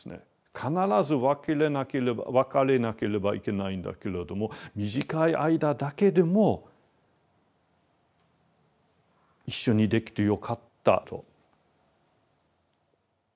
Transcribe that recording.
必ず別れなければいけないんだけれども短い間だけでも一緒にできてよかったと。